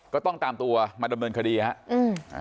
ก็ต้องตามตัวมาดำเนินคดีครับ